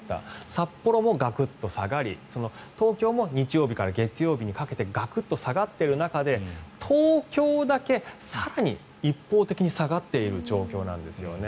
札幌もガクッと下がり東京も日曜日から月曜日にかけてガクッと下がっている中で東京だけ更に一方的に下がっている状況なんですよね。